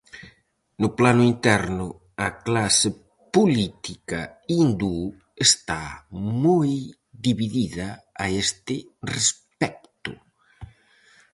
No plano interno, a clase política hindú está moi dividida a este respecto.